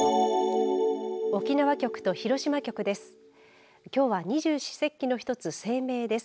沖縄局と広島局です。